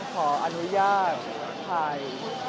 ขออนุญาตถ่าย